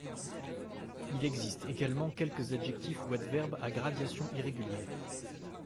Il existe également quelques adjectifs ou adverbes à gradation irrégulière.